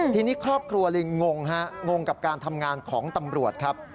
ทีนี้ครอบครัวลิงงฮะงงกับการทำงานของตำรวจครับ